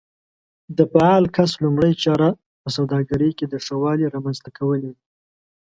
د فعال کس لومړۍ چاره په سوداګرۍ کې د ښه والي رامنځته کول وي.